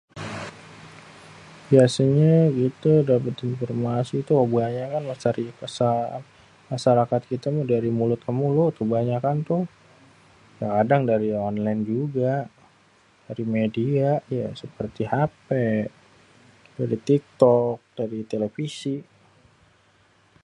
biasanya itu dapét informasi tuh kébanyakan masyarakat dari mulut ke mulut.. banyakan tu ya ada yang dari onlén jugadari media.. ya seperti hapé, dari tiktok, dari televisi..